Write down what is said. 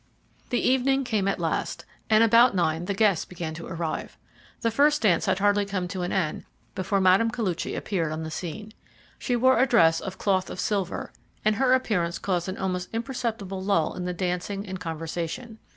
The evening came at last, and about nine the guests began to arrive. The first dance had hardly come to an end before Mme. Koluchy appeared on the scene. She wore a dress of cloth of silver, and her appearance caused an almost imperceptible lull in the dancing and conversation.